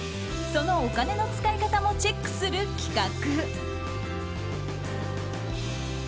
そのお金の使い方もチェックする企画。